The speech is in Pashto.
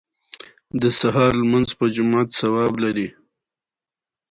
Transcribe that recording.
د ظالم ستاینه د بې وسۍ چیغه ده.